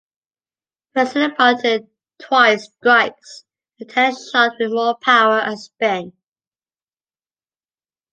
Pressing a button twice strikes the tennis shot with more power and spin.